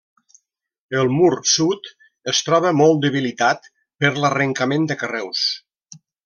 El mur sud es troba molt debilitat per l'arrencament de carreus.